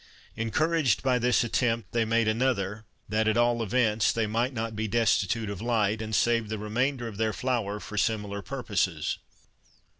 Encouraged by this attempt, they made another, that, at all events, they might not be destitute of light, and saved the remainder of their flour for similar purposes.